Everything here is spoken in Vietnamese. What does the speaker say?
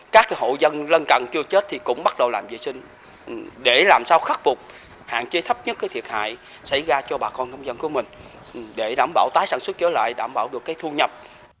các hộ dân lân cận chưa chết thì cũng bắt đầu làm vệ sinh để làm sao khắc phục hạn chế thấp nhất thiệt hại xảy ra cho bà con nông dân của mình để đảm bảo tái sản xuất trở lại đảm bảo được thu nhập